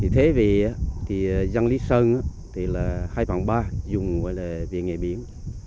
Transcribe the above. thế vì thì dân lý sơn thì là hai bảng ba dùng gọi là viện nghệ biển